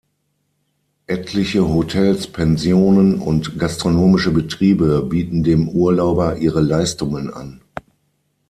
Etliche Hotels, Pensionen und gastronomische Betriebe bieten dem Urlauber ihre Leistungen an.